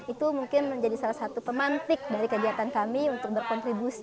itu mungkin menjadi salah satu pemantik dari kegiatan kami untuk berkontribusi